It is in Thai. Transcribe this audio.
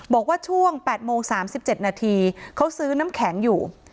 บอกว่าช่วง๘โมง๓๗นาทีเขาซื้อน้ำแข็งอยู่